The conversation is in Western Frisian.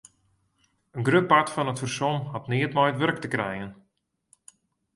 In grut part fan it fersom hat neat mei it wurk te krijen.